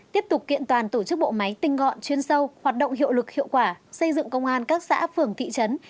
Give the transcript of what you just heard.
tiếp tục kiện toàn tổ chức bộ máy tinh gọn chuyên sâu hoạt động hiệu lực hiệu quả xây dựng công an các xã phường thị trấn